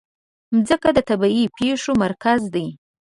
مځکه د طبیعي پېښو مرکز ده.